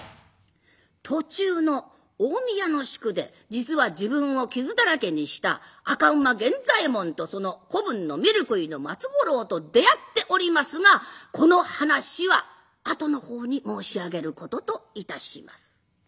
途中の大宮の宿で実は自分を傷だらけにした赤馬源左衛門とその子分のみるくいの松五郎と出会っておりますがこの話はあとの方に申し上げることといたします。